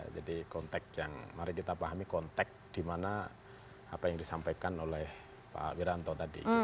jadi kontek yang mari kita pahami kontek di mana apa yang disampaikan oleh pak wiranto tadi